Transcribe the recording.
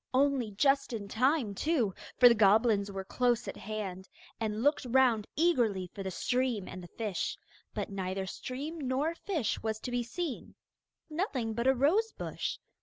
Only just in time too, for the goblins were close at hand, and looked round eagerly for the stream and the fish. But neither stream nor fish was to be seen; nothing but a rose bush.